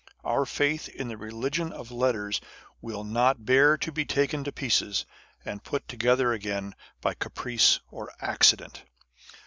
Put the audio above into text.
Our faith in the religion of letters will not bear to be taken to pieces, and put together again by caprice or accident.